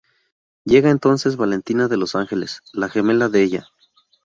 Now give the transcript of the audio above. Llega entonces Valentina de los Ángeles, la gemela de ella.